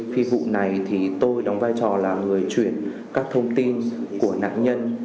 khi vụ này thì tôi đóng vai trò là người chuyển các thông tin của nạn nhân